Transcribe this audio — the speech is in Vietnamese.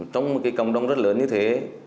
trong một cộng đồng rất lớn như thế